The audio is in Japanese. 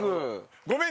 ごめん！